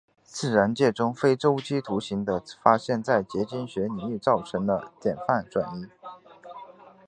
自然界中非周期图形的发现在结晶学领域造成了典范转移。